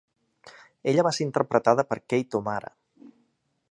Ella va ser interpretada per Kate O'Mara.